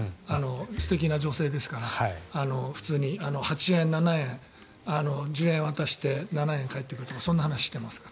素敵な女性ですから普通に８円、７円１０円を渡して７円返ってくるとかそういう話をしてますから。